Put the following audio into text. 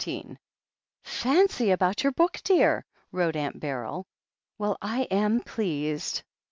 XVI "Fancy about your book, dear !" wrote Aunt Beryl. "Well I am pleased.